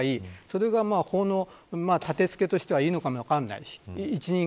それが法の建付けとしてはいいのかも分からない。